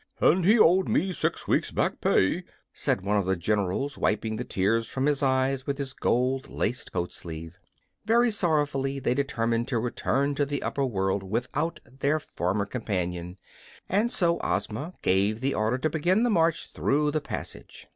"And he owed me six weeks back pay!" said one of the generals, wiping the tears from his eyes with his gold laced coat sleeve. Very sorrowfully they determined to return to the upper world without their former companion, and so Ozma gave the order to begin the march through the passage.